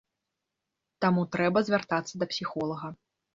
Таму трэба звяртацца да псіхолага.